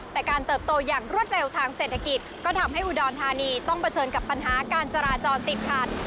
แต่การเติบโตอย่างรวดเร็วทางเศรษฐกิจก็ทำให้อุดรธานีต้องเผชิญกับปัญหาการจราจรติดขัด